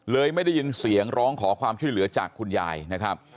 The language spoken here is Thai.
ไม่ได้ยินเสียงร้องขอความช่วยเหลือจากคุณยายนะครับ